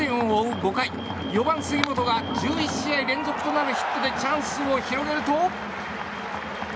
５回４番、杉本が１１試合連続となるヒットでチャンスを広げると。